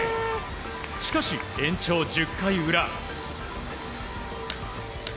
しかし、延長１０回裏。